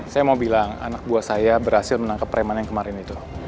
saya mau bilang anak buah saya berhasil menangkap preman yang kemarin itu